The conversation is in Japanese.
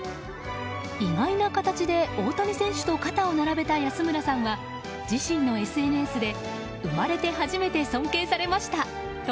意外な形で大谷選手と肩を並べた安村さんは自身のＳＮＳで生まれて初めて尊敬されましたと